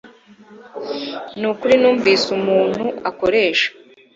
Nukuri numvise umuntu akoresha